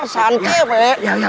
usahain aja lah